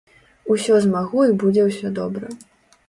Усё змагу і будзе ўсё добра.